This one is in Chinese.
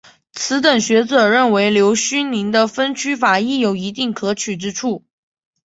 此等学者认为刘勋宁的分区法亦有一定可取之处。